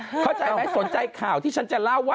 เข้าใจไหมสนใจข่าวที่ฉันจะเล่าว่า